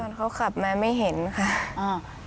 เขาขับมาไม่เห็นค่ะ